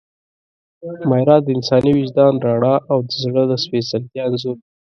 میره – د انساني وجدان رڼا او د زړه د سپېڅلتیا انځور